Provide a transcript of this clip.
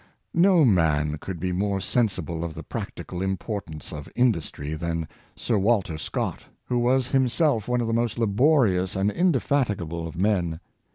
No man could be more sensible of the practical im portance of industry than Sir Walter Scott, who was himself one of the most laborious and indefatigable of men.